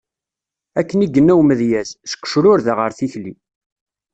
Akken i yenna umedyaz: Seg ucrured ɣer tikli.